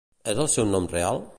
És el seu nom real?